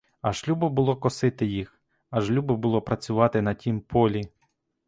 Аж любо було косити їх, аж любо було працювати на тім полі!